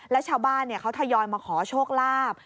แล้วชาวบ้านเขาทยอยมาขอโชคลาภ